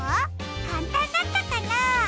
かんたんだったかな？